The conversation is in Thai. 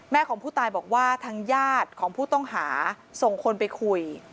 ของผู้ตายบอกว่าทางญาติของผู้ต้องหาส่งคนไปคุย